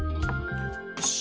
よし！